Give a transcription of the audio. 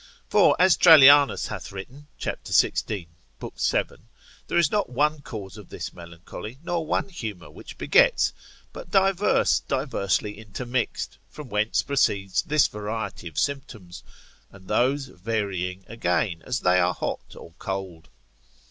For as Trallianus hath written, cap. 16. l. 7. There is not one cause of this melancholy, nor one humour which begets, but divers diversely intermixed, from whence proceeds this variety of symptoms: and those varying again as they are hot or cold.